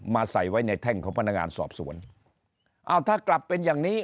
ใส่ไว้ในแท่งของพนักงานสอบสวนเอาถ้ากลับเป็นอย่างนี้